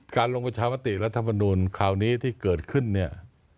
ลงประชามติรัฐมนูลคราวนี้ที่เกิดขึ้นเนี่ย